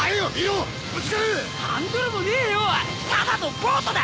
ただのボートだ。